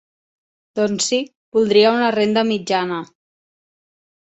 Doncs sí, voldria una renda mitjana.